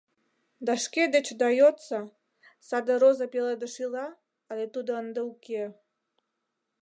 Да шке дечда йодса: «Саде роза пеледыш ила але тудо ынде уке?